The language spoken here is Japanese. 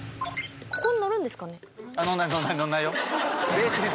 ここに乗るんですか？